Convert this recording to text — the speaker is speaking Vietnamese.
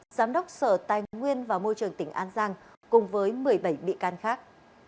giám đốc sở tài nguyên và môi trường tỉnh an giang cùng với một mươi bảy bị can khác